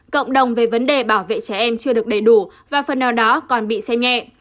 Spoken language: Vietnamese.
cộng đồng về vấn đề bảo vệ trẻ em chưa được đầy đủ và phần nào đó còn bị xem nhẹ